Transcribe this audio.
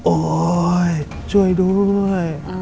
โอ๊ยช่วยด้วย